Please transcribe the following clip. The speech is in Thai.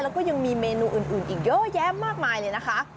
แล้วก็ยังมีเมนูอื่นอีกเยอะแยะมากมายเลยนะคะ